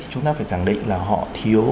chúng ta phải khẳng định là họ thiếu